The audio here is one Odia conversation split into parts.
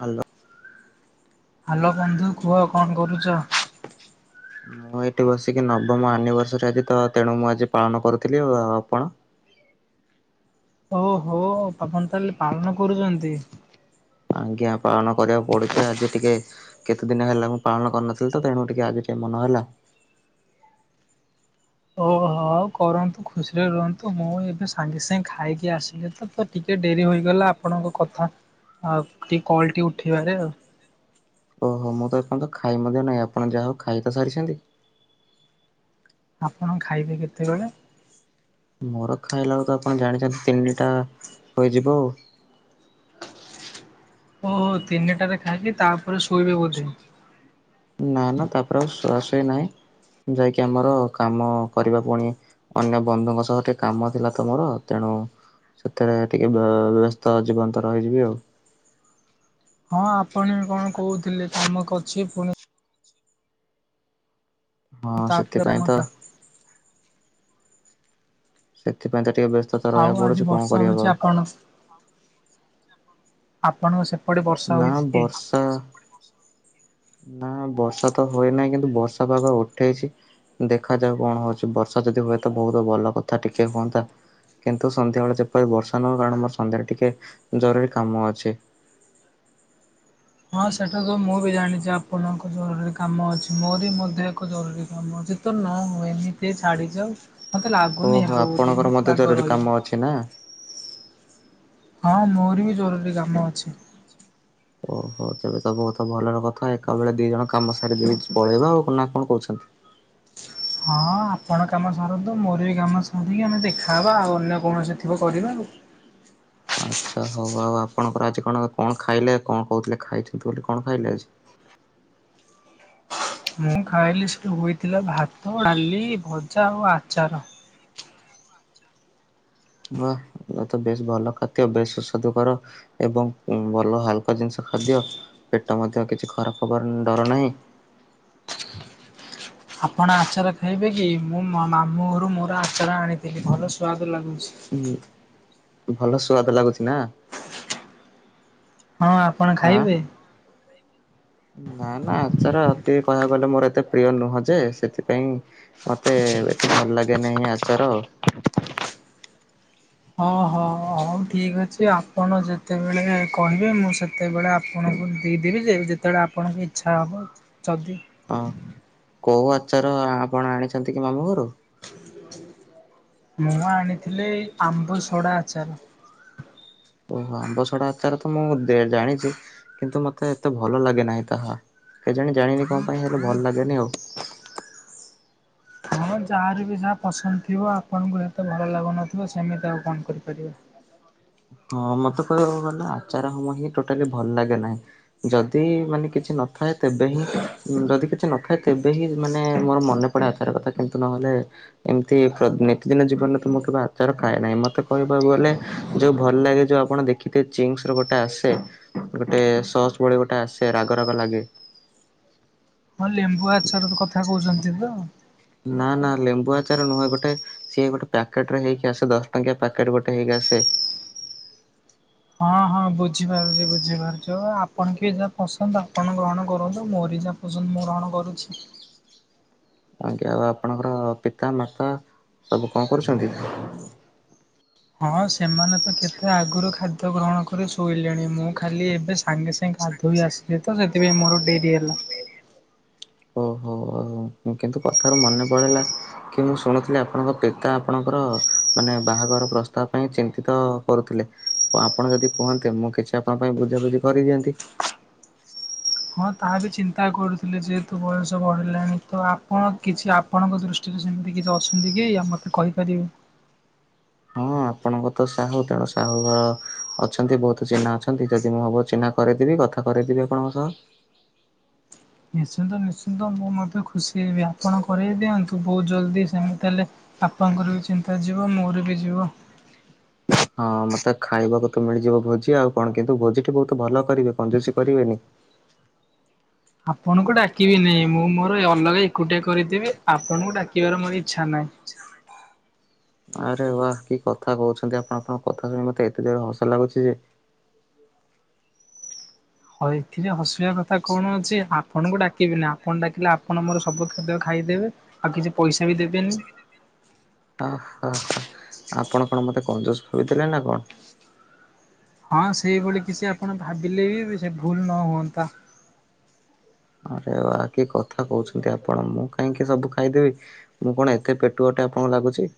ହାଲୋ। ହାଲୋ ବନ୍ଧୁ କୁହ କଣ କରୁଚ? ମୁଁ ଏଇଠି ବସିକି ନବମ ଆନିଭର୍ସରୀ ଆଜି ତ ତେଣୁ ମୁଁ ଆଜି ପାଳନ କରୁଥିଲି। ଆଉ ଆପଣ? ଓହୋ ତମର ତାହେଲେ ପାଳନ କରୁଚନ୍ତି। ଆଜ୍ଞା ପାଳନ କରିବାକୁ ପଡୁଚି। ଆଜି ଟିକିଏ କେତେ ଦିନି ହେଲା ମୁଁ ପାଳନ କରିନଥିଲିତ। ତେଣୁ ଟିକିଏ ଆଜି ମନ ହେଲା। ଓହୋ ହ କରନ୍ତୁ ଖୁସିରେ ରୁହନ୍ତୁ ମୁଁ ଏବେ ସାଙ୍ଗେ ସାଙ୍ଗେ ଖାଇକି ଆସିଲି ତ। ତ ଟିକିଏ ଡେରି ହୋଇଗଲା ଆପଣଙ୍କ କଥା ଟି କଲ୍ ଟି ଉଠେଇବାରେ ଆଉ। ଓହୋ ମୁଁ ତ ଏପଣ ତ ଖାଇ ମଧ୍ୟ ନାହିଁ ଆପଣ ଯାହା ହୋଉ ଖାଇ ତ ସାରିଚନ୍ତି। ଆପଣ ଖାଇବେ କେତେବେଳେ? ମୋର ଖାଇଲା ବେଳକୁ ତ ଆପଣ ଜାଣିଚନ୍ତି ତିନିଟା ହୋଇଯିବ ଆଉ। ଓହୋ ତିନିଟାରେ ଖାଇକି ତାପରେ ଶୋଇବେ ବୋଧେ। ନା ନା ତାପରେ ଆଉ ଶୁଆସୁଇ ନାହିଁ। ଯାଇକି ଆମର କାମ କରିବା ପୁଣି ଅନ୍ୟ ବନ୍ଧୁଙ୍କ ସହ ଟିକିଏ କାମ ଥିଲା ତ ମୋର ତେଣୁ ସେଥିରେ ଟିକିଏ ବ୍ୟସ୍ତ ଜୀବନ୍ତ ରହିଯିବି ଆଉ। ହଁ ଆପଣେଇ କଣ କହୁଥିଲେ ଧମକ ଅଛି ପୁଣି ହଁ ତାପରେ କାମ ସେଥିପାଇଁ ତ ଥିଲା। ସେଥିପାଇଁ ତ ଟିକିଏ ବ୍ୟସ୍ତତା ଆଉ ରହିବାକୁ ଆଜି ପଡୁଛି କଣ ବର୍ଷା ହୋଇଛି କରିହବ। ଆପଣ ଆପଣଙ୍କ ସେପଟେ ବର୍ଷା ହୋଇଚି କି? ଚଁ। ନା ବର୍ଷା ତ ହୋଏନାହିଁ। କିନ୍ତୁ ବର୍ଷା ପାାଗ ଉଠେଇଚି। ଦେଖା ଯାଉ କଣ ହୋଉଚି ବର୍ଷା ଯଦି ହୁଏ ତ ବହୁତ୍ ଭଲ କଥା ଟିକିଏ ହୁଅନ୍ତା। କିନ୍ତୁ ସନ୍ଧ୍ୟାବେଳେ ଯେପରି ବର୍ଷା ନହୁଏ। କାରଣ ମୋର ସନ୍ଧ୍ୟାରେ ଟିକିଏ ଜରୁରୀ କାମ ଅଛି। ହଁ ସେଇଟା ତ ମୁଁ ବି ଜାଣିଚି ଆପଣଙ୍କ ଜରୁରୀ କାମ ଅଛି। ମୋରି ମଧ୍ୟ ଏକ ଜରୁରୀ କାମ ଅଛି। ତ ନହୋଉ ଏମିତି ଛାଡ଼ିଯାଉ ମୋତେ ଲାଗୁନି ଓହୋ ହେବବୋଲି। ଆପଣଙ୍କର ଏମିତି ମଧ୍ୟ ପାଗ ଜରୁରୀ ରହି କାମ ଅଛି ନା। ହଁ ମୋର ବି ଜରୁରୀ କାମ ଅଛି। ଆଚଛା [inaudible] ଓହୋ ତେବେ ତ ବହୁତ୍ ଭଲର କଥା ଏକା ବେଳେ ଦି ଜଣ କାମ ସାରି ଦେଇ ପଳେଇବା। ଆଉ ନା କଣ କହୁଚନ୍ତି? ହଁ ଆପଣ କାମ ସାରନ୍ତୁ। ମୋର ବି କାମ ସରିକି ଆମେ ଦେଖାହେବା ଆଉ ଅନ୍ୟ କୌଣସି ଥିବ କରିବା ଆଉ। ଆଚ୍ଛା ହଉ ଆଉ ଆପଣଙ୍କର ଆଜି କଣ କଣ ଖାଇଲେ କଣ କହୁଥିଲେ ଖାଇଛନ୍ତି ବୋଲି କଣ ଖାଇଲେ ଆଜି? ମୁଁ ଖାଇଲି ସେଠୁ ହୋଇଥିଲା ଭାତ ଡାଲି ଭଜା ଆଉ ଆଚାର। ବାଃ ଇଏ ତ ବେଶ୍ ଭଲ ଖାଦ୍ୟ। ବେଶ ସ୍ବାଦୁ କର। ଏବଂ ଭଲ ହାଲକା ଜିନିଷ ଖାଦ୍ୟ। ପେଟ ମଧ୍ୟ କିଛି ଖରାପ୍ ହବାର ଡର ନାହିଁ। ଆପଣ ଆଚାର ଖାଇବେ କି? ମୁଁ ମାମୁଁ ଘରୁ ମୋର ଆଚାର ଆଣିଥିଲି ଭଲ ସୁଆଦୁ ଲାଗୁଚି। ଭଲ ସୁଆଦ ଲାଗୁଚି ନା? ହଁ ଆପଣ ହଁ ଖାଇବେ? ନା ନା ଆଚାର ଅତି କହିବାକୁ ଗଲେ ମୋର ଏତେ ପ୍ରିୟ ନୁହଁ ଯେ ସେଥିପାଇଁ ମତେ ଏତେ ଭଲ ଲାଗେ ନାହିଁ ଆଚାର। ହଁ ହଁ ହଁ ହଉ ଠିକ୍ ଅଛି ଆପଣ ଯେତେବେଳେ କହିବେ ମୁଁ ସେ ସେତେବେଳେ ଆପଣଙ୍କୁ ଦେଇଦେବି ଯେ ଯେତେବେଳେ ଆପଣଙ୍କୁ ଇଚ୍ଛା ହେବ ଯଦି ହଁ କୋଉ ଆଚାର ଆପଣ ଆଣିଚନ୍ତି କି ମାମୁଁ ଘରୁ? ମୁଁ ଆଣିଥିଲି ଏଇ ଆମ୍ବୁ ସୋଡ଼ା ଆଚାର। ଓହୋ। ଆମ୍ବସଡା ଆଚାର ତ ମୁଁ ଜାଣିଛି କିନ୍ତୁ ମତେ ଏତେ ଭଲ ଲାଗେ ନାହିଁ ତାହା। କେଜାଣି ଜାଣିନି କଣ ପାଇଁ? ହେଲେ ଭଲ ଲାଗେନି ଆଉ। ହଁ ଯାହାର ବି ଯାହା ପସନ୍ଦ ଥିବ। ଆପଣଙ୍କୁ ସେତେ ଭଲ ଲାଗୁନଥିବ। ସେମିତି ଆଉ କଣ କରିପାରିବା। ହଁ। ମୋତେ କହିବାକୁ ଗଲେ ଆଚାର ହିଁ ଟୋଟାଲି ଭଲ ଲାଗେ ନାହିଁ। ଯଦି ମାନେ କିଛି ନଥାଏ ତେବେ ହିଁ, ଯଦି କିଛି ନଥାଏ ତେବେ ହିଁ ମାନେ ମୋର ମନେ [unintelligible] ଆଚାର କଥା କିନ୍ତୁ ନହେଲେ ଏମିତି ନିତିଦିନ ଜୀବନରେ ତ ମୁଁ କେବେ ଆଚାର ଖାଏ ନାହିଁ। ମତେ କହିବାକୁ ଗଲେ ଯୋଉ ଭଲ ଲାଗେ ଯୋଉ ଆପଣ ଦେଖିଥିବେ ଚିଙ୍ଗ୍ସର ଗୋଟେ ଆସେ। ଗୋଟେ ସସ୍ ଭଳିଆ ଗୋଟେ ଆସେ, ରାଗ ରାଗ ଲାଗେ। ହଁ ଲେମ୍ବୁ ଆଚାର କଥା କହୁଛନ୍ତି ତ। ନା ନା ଲେମ୍ବୁ ଆଚାର ନୁହେଁ। ଗୋଟେ ସିଏ ଗୋଟେ ପକେଟ୍ ରେ ହେଇକି ଆସେ। ଦଶ ଟଙ୍କିଆ ପକେଟ୍ ଗୋଟେ ହେକି ଆସେ। ହଁ ହଁ ବୁଝିପାରୁଛି। ବୁଝିପାରୁଛି। ଓ ଆପଣ କି ଯାହା ପସନ୍ଦ ଆପଣ ଗ୍ରହଣ କରନ୍ତୁ, ମୋରି ଯା ପସନ୍ଦ ମୁଁ ଗ୍ରହଣ କରୁଛି। ଆଜ୍ଞା। ଆଉ ଆପଣଙ୍କର ପିତା ମାତା ସବୁ କଣ କରୁଛନ୍ତି? ହଁ ସେମାନେ ତ କେତେ ଆଗରୁ ଖାଦ୍ୟ ଗ୍ରହଣ କରି ଶୋଇଲେଣି। ମୁଁ ଖାଲି ଏବେ ସାଙ୍ଗେ ସାଙ୍ଗେ ଗାଧୋଇ ଆସିଲି ତ, ସେଥିପାଇଁ ମୋର ଡେରି ହେଲା। ଓହୋ କିନ୍ତୁ କଥାରୁ ମନେ ପଡିଇଲା, କି ମୁଁ ଶୁଣୁଥିଲି ଆପଣଙ୍କ ପିତା ଆପଣଙ୍କର ମାନେ ବାହାଘର ପ୍ରସ୍ତାବ ପାଇଁ ଚିନ୍ତିତ କରୁଥିଲେ। ଆପଣ ଯଦି କୁହନ୍ତେ, ମୁଁ କିଛି ଆପଣଙ୍କ ପାଇଁ ବୁଝାବୁଝି କରିଦିଅନ୍ତି। ହଁ ତାହା ବି ଚିନ୍ତା କରୁଥିଲେ। ଯେହେତୁ ବୟସ ବଢ଼ିଲାଣି। ତ ଆପଣ କିଛି ଆପ ଆପଣଙ୍କ ଦୃଷ୍ଟିରେ ସେମିତି କେହି ଅଛନ୍ତି କି? ଆପଣ ମୋତେ କହିପାରିବେ। ହଁ ଆପଣଙ୍କ ତ ସାହୁ। ତେଣୁ ସାହୁ ଘର ଅଛନ୍ତି ବହୁତ୍। ଚିହ୍ନା ଅଛନ୍ତି। ଯଦି ମୁଁ ହେବ ଚିହ୍ନା କରେଇଦେବି କଥା କରେଇଦେବି ଆପଣଙ୍କ ସହ। ନିଶ୍ଚିନ୍ତ ନିଶ୍ଚିନ୍ତ। ମୁଁ ମଧ୍ୟ ଖୁସି ହେବି। ଆପଣ କରେଇ ଦିଅନ୍ତୁ। ତ ବହୁତ୍ ଜଲ୍ଦି। ସେମିତି ତାହେଲେ ବାପାଙ୍କର ବି ଚିନ୍ତା ଯିବ। ମୋର ବି ଯିବ। ହଁ। ମତେ ଖାଇବାକୁ ତ ମିଳିଯିବ ଭୋଜି ଆଉ କଣ? କିନ୍ତୁ ଭୋଜି ଟି ବହୁତ୍ ଭଲ କରିବେ। କଞ୍ଜୁସି କରିବେନି। ଆପଣଙ୍କୁ ଡାକିବିି ନାଇଁ। ମୁଁ ମୋର ଅଲଗା ଏକୁଟିଆ କରିଥିବି। ଆପଣଙ୍କୁ ଡାକିବାର ମୋର ଇଚ୍ଛା ନାହିଁ। ଆରେ ବା! କି କଥା କହୁଛନ୍ତି ଆପଣ? ଆପଣଙ୍କ କଥା ଶୁଣି ମତେ ଏତେ ଜୋର ହସ ଲାଗୁଛି ଯେ ହଏ ଏଥିରେ ହସିବା କଥା କଣ ଅଛି। ଆ ଆପଣଙ୍କୁ ଡାକିବିନି। ଆପଣ ଡାକିଲେ ଆପଣ ମୋର ସବୁ ଖାଦ୍ୟ ଖାଇଦବେ। ଆଉ କିଛି ପଇସା ବି ଦେବେନି। ଓହୋ। ଆପଣ କଣ ମତେ କଞ୍ଜୁସ୍ ଭାବିଥିଲେ ନା କଣ? ହଁ ସେଇଭଳି କିଛି ଆପଣ ଭାବିଲେ ବି ସେ ଭୁଲ ନ ହୁଅନ୍ତା। ଆରେ ବା କି କଥା କହୁଛନ୍ତି ଆପଣ? ମୁଁ କାହିଁକି ସବୁ ଖାଇଦେବି। ମୁଁ କଣ ଏତେ ପେଟୁଆଟେ ଆପଣଙ୍କୁ ଲାଗୁଛି?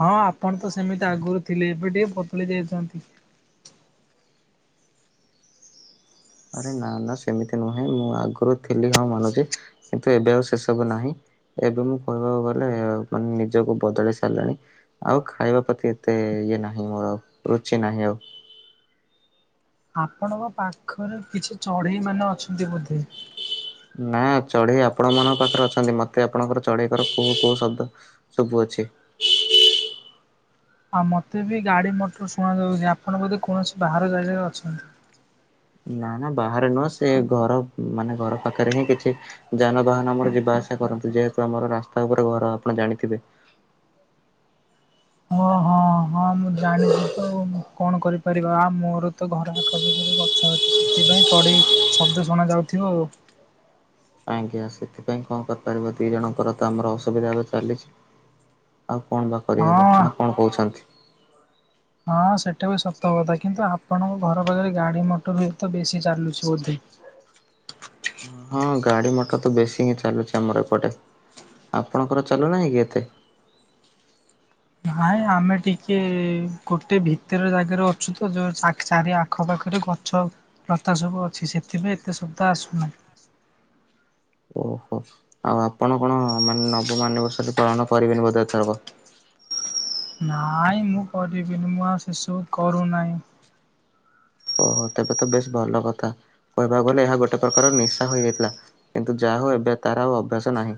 ହଁ ଆପଣ ତ ସେମିତି ଆଗରୁ ଥିଲେ। ଏବେ ଟିକେ ପତଳି ଯାଇଛନ୍ତି। ଆରେ ନା ନା ସେମିତି ନୁହେଁ। ମୁଁ ଆଗରୁ ଥିଲି ହଁ ମାନୁଛି। କିନ୍ତୁ ଏବେ ଆଉ ସେ ସବୁ ନାହିଁ। ଏବେ ମୁଁ କହିବାକୁ ଗଲେ ମାନେ ନିଜକୁ ବଦଳି ସାରିଲାଣି। ଆଉ ଖାଇବା ପ୍ରତି ଏତେ ଇଏ ନାହିଁ, ମୋର ଆଉ ରୁଚି ନାହିଁ ଆଉ। ଆପଣଙ୍କ ପାଖରେ କିଛି ଚଢ଼େଇ ମାନେ ଅଛନ୍ତି ବୋଧେ? ନା ଚଢ଼େଇ ଆପଣ ମାନଙ୍କ ପାଖରେ ଅଛନ୍ତି। ମତେ ଆପଣଙ୍କର ଚଢ଼େଇ କର କୁହୁ କୁହୁ ଶବ୍ଦ ଶବୁ ଅଛି। ଆଉ ମତେ ବି ଗାଡି ମଟର ଶୁଣା ଯାଉଛି ଆପଣ ବୋଧେ କୌଣସି ବାହାର ଜାଗାରେ ଅଛନ୍ତି। ନା ନା ବାହାରେ ନୁହଁ ସେ ଘର ମାନେ ଘର ପାଖରେ ହିଁ କିଛି ଯାନବାହାନ ଆମର ଯିବା ଆସିଆ କରନ୍ତି ଯେହେତୁ ଆମର ରାସ୍ତା ଉପରେ ଘର ଆପଣ ଜାଣିଥିବେ। ହଁ ଅ ହଁ। ହଁ ମୁଁ ଜାଣିଛି ତ କଣ କରିପାରିବା ଆଉ ମୋର ତ ଘର ଆଖପାଖରେ ଗଛ ଅଛି। ସେଥିପାଇଁ ଚଢ଼େଇ ଶବ୍ଦ ଶୁଣାଯାଉଥିବ ଆଉ। ଆଜ୍ଞା ସେଥିପାଇଁ କଣ କରିପାରିବା ଦି ଜଣଙ୍କର ତ ଆମର ଅସୁବିଧା ଏବେ ଚାଲିଛି। ଆଉ କଣ ବା କରିହବ ହଁ ନା କଣ କହୁଛନ୍ତି? ହଁ ସେଇଟା ବି ସତ କଥା କିନ୍ତୁ ଆପଣଙ୍କ ଘର ପାଖରେ ଗାଡି ମଟର ବି ତ ବେଶୀ ଚାଲୁଛି ବୋଧେ। ହଁ ଗାଡି ମଟର ତ ବେଶୀ ହିଁ ଚାଲୁଛି ଆମର ଏପଟେ। ଆପଣଙ୍କର ଚାଲୁନାହିଁ କି ଏତେ। ନାଇଁ ଆମେ ଟିକେ ଗୋଟେ ଭିତର ଜାଗାରେ ଅଛୁ ତ ଯୋଉ ଚାରି ଆ ଆଖପାଖରେ ଗଛ ଲତା ସବୁ ଅଛି ସେଥିପାଇଁ ଏତେ ଶବ୍ଦ ଆସୁନାହିଁ। ଓହୋ ଆଉ ଆପଣ କଣ ମାନେ ନବମ ଆନିବର୍ଷରୀ ପାଳନ କରିବେନି ବୋଧେ ଏଥରକ। ନାଇଁ ମୁଁ କରିବିନି ମୁଁ ଆଉ ସେସବୁ କରୁନାହିଁ। ଓହୋ ତେବେ ତ ବେଶ ଭଲ କଥା। କହିବାକୁ ଗଲେ ଏହା ଗୋଟେ ପ୍ରକାର ନିଶା ହୋଇଯାଇଥିଲା କିନ୍ତୁ ଯାହା ହଉ ଏବେ ତାର ଆଉ ଅଭ୍ୟାସ ନାହିଁ।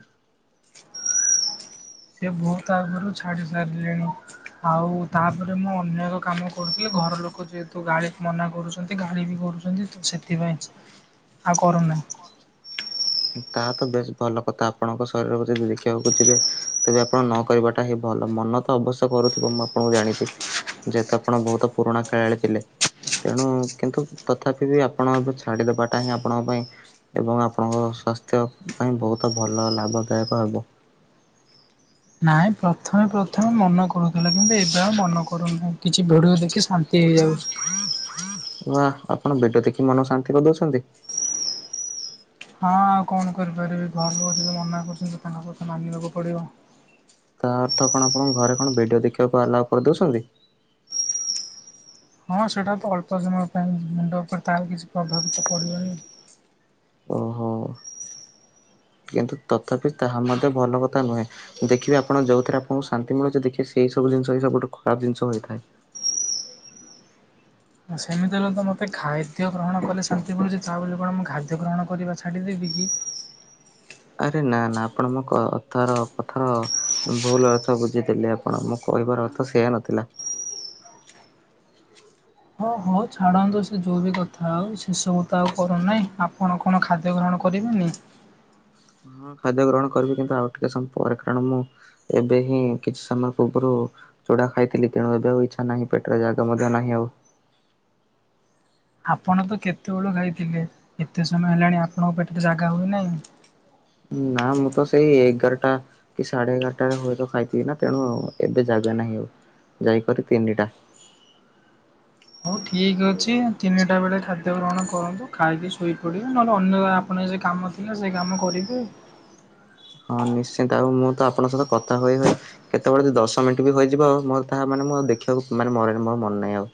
ସେ ବହୁତ ଆଗରୁ ଛାଡ଼ି ସାରିଲେଣି। ଆଉ ତାପରେ ମୁଁ ଅନେକ କାମ କରୁଥିଲି ଘର ଲୋକ ଯେହେତୁ ଗାଳି ମନା କରୁଛନ୍ତି ଗାଳି ବି କରୁ ତ ସେଥିପାଇଁ ଆଉ କରୁନାହିଁ। ତାହା ତ ବେଶ ଭଲ କଥା ଆପଣଙ୍କ ଶରୀରକୁ ଯଦି ଦେଖିବାକୁ ଯିବେ ତେବେ ଆପଣ ନ କହିବାଟା ହିଁ ଭଲ ମନ ଅବଶ୍ୟ କରୁଥିବ ମୁଁ ଆପଣଙ୍କୁ ଜାଣିଛି ଯେହେତୁ ଆପଣ ବହୁତ ପୁରୁଣା ଖେଳାଳି ଥିଲେ। ତେଣୁ କିନ୍ତୁ ତଥାପି ବି ଆପଣ ଏବେ ଛାଡ଼ିଦବାଟା ହିଁ ଆପଣଙ୍କ ପାଇଁ ଏବଂ ଆପଣଙ୍କର ସ୍ଵାସ୍ଥ୍ୟ ପାଇଁ ବହୁତ ଭଲ ଲାଭଦାୟକ ହେବ। ନାଇଁ ପ୍ରଥମେ ପ୍ରଥମେ ମନେ କରୁଥିଲା କିନ୍ତୁ ଏବେ ଆଉ ମନ କରୁନାହିଁ। କିଛି ଭିଡିଓ ଦେଖି ଶାନ୍ତି ହେଇଯାଉଛି। ବା ଆପଣ ଭିଡିଓ ଦେଖି ମନ ଶାନ୍ତି କରିଦଉଛନ୍ତି। ହଁ ଆଉ କଣ କରିପାରିବି ଘର ଲୋକ ଯଦି ମନା କରୁଛନ୍ତି ତାଙ୍କ କଥା ମାନିବାକୁ ପଡିବ। ତା ଅର୍ଥ କଣ ଆପଣଙ୍କ ଘରେ କଣ ଭିଡ଼ିଓ ଦେଖିବାକୁ ଆଲାଓ କରିଦଉଛନ୍ତି। ହଁ ସେଇଟା ତ ଅଳ୍ପ ସମୟ ପାଇଁ ମୁଣ୍ଡ ଉପରେ ତାର କିଛି ପ୍ରଭାବ ତ ପଡ଼ିବନି। ଓହୋ। କିନ୍ତୁ ତଥାପି ତାହା ମଧ୍ୟ ଭଲ କଥା ନୁହେଁ। ଦେଖିବେ ଆପଣ ଯୋଉଥିରେ ଆପଣଙ୍କୁ ଶାନ୍ତି ମିଳୁଛି ଦେଖିବେ ସେଇ ସବୁ ଜିନିଷ ହଁ ସବୁଠୁ ଖରାପ ଜିନିଷ ହୋଇଥାଏ। ସେମିତି ହେଲେ ତ ମୋତେ ଖାଦ୍ୟ ଗ୍ରହଣ କଲେ ଶାନ୍ତି ମିଳୁଛି ତା ବୋଲି କଣ ମୁଁ ଖାଦ୍ୟ ଗ୍ରହଣ କରିବା ଛାଡ଼ିଦେବି କି? ଆରେ ନା ନା ଆପଣ ମୋ କଥା କଥାର ଭୁଲ୍ ଅର୍ଥ ବୁଝିଦେଲେ ଆପଣ ମୋ କହିବାର ଅର୍ଥ ସେୟା ନଥିଲା। ହ ହଉ ଛାଡ଼ନ୍ତୁ ସେ ଯଉ ବି କଥା ହଉ ସେସବୁ ତ ଆଉ କରୁନାହିଁ ଆପଣ କଣ ଖାଦ୍ୟ ଗ୍ରହଣ କରିବେନି। ହଁ ଖାଦ୍ୟ ଗ୍ରହଣ କରିବି କିନ୍ତୁ ଆଉ ଟିକେ ସମୟ ପରେ କାରଣ ମୁଁ ଏବେ ହିଁ କିଛି ସମୟ ପୂର୍ବରୁ ଚୁଡ଼ା ଖାଇଥିଲି ତେଣୁ ଏବେ ଆଉ ଇଚ୍ଛା ନାହିଁ ପେଟରେ ଜାଗ ମଧ୍ୟ ନାହିଁ ଆଉ। ଆପଣ ତ କେତେବେଳୁ ଖାଇଥିଲେ ଏତେ ସମୟ ହେଲାଣି ଆପଣଙ୍କ ପେଟରେ ଜାଗା ହୋଇନାହିଁ। ନା ମୁଁ ତ ସେଇ ଏଗାର ଟା କି ସାଢେ ଏଗାରଟାରେ ହୁଏତ ଖାଇଥିବି ନା ତେଣୁ ଏବେ ଜାଗା ନାହିଁ ଆଉ ଯାଇକରି ତିନିଟା। ହଉ ଠିକ୍ ଅଛି ତିନିଟା ବେଳେ ଖାଦ୍ୟ ଗ୍ରହଣ କରନ୍ତୁ ଖାଇକି ଶୋଇପଡିବେ ନହେଲେ ଅନ୍ୟ ଆପଣ ଜେ କାମ ଥିଲା ସେ କାମ କରିବେ। ହଁ ନିଶ୍ଚିନ୍ତ ଆଉ ମୁଁ ତ ଆପଣଙ୍କ ସହିତ କଥା ହୋଇ ହୋଇ କେତେବେଳେ ବି ଦଶ ମିନ୍ଟି ବି ହେଇଯିବ ମୋର ତାହା ମାନେ ମୁ ଦେଖିବାକୁ ମାନେ ମୋ ରାଣ ମୋର ଆଉ ମନେ ନାହିଁ ଆଉ।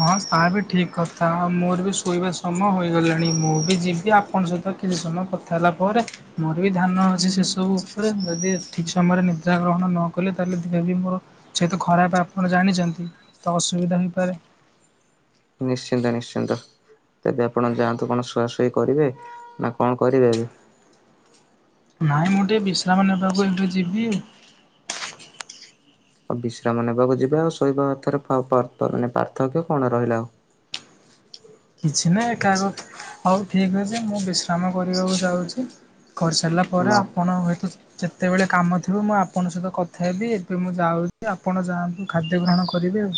ହଁ ତାବି ଠିକ୍ କଥା ଆଉ ମୋର ବି ଶୋଇବା ସମୟ ହେଇଗଲାଣି ମୁଁ ବି ଯିବି ଆପଣ ସହିତ ତ କିଛି ସମୟ କଥା ହେଲା ପରେ ମୋର ବି ଧାନ ଅଛି ସେସବୁ ଉପରେ ଯଦି ଠିକ୍ ସମୟରେ ନିଦ୍ରା ଗ୍ରହଣ ନକଲେ ତାହେଲେ ଦେହ ବି ମୋର ଯେହେତୁ ଖରାପ୍ ଆପଣ ଜାଣିଚନ୍ତି। ତ ଅସୁବିଧା ହେଇପାରେ। ନିଶ୍ଚିନ୍ତ ନିଶ୍ଚିନ୍ତ। ତେବେ ଆପଣ ଯାନ୍ତୁ କଣ ଶୁଆ ଶୁଇ କରିବେ ନା କଣ କରିବେ ଏବେ? ନାଇଁ ମୁଁ ଟିକେ ବିଶ୍ରାମ ନେବାକୁ ଏଇଠୁ ଯିବି। ଆଉ ବିଶ୍ରାମ ନେବାକୁ ଯିବେ ଆଉ ଶୋଇବା ଅର୍ଥରେ ପା ପା ମାନେ ପାର୍ଥକ୍ୟ କଣ ରହିଲା ଆଉ। କିଛି ନାହିଁ ଏକା କଥା ହଉ ଠିକ୍ ଅଛି ମୁଁ ବିଶ୍ରାମ କରିବାକୁ ଯାଉଛି କରିସାରିଲା ମ ପରେ ଆପଣ ହଇତ ଯେତେବେଳେ କାମ ଥିବ ମୁଁ ଆପଣଙ୍କ ସହିତ କଥା ହେବି ଏବେ ମୁଁ ଯାଉଛି ଆପଣ ଯାନ୍ତୁ ଖାଦ୍ୟ ଗ୍ରହଣ କରିବେ ଆଉ।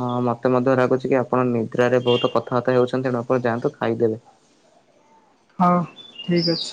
ହଁ ମତେ ମଧ୍ୟ ଲାଗୁଛି କି ଆପଣ ନିଦ୍ରାରେ ବହୁତ କଥାବାର୍ତା ହେଉଛନ୍ତି ତେଣୁ ଆପଣ ଯାଆନ୍ତୁ ଖାଇଦେବେ। ହଉ ଠିକ୍ ଅଛି।